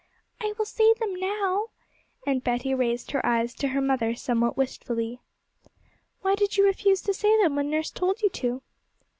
'I will say them now'; and Betty raised her eyes to her mother somewhat wistfully. 'Why did you refuse to say them when nurse told you to?'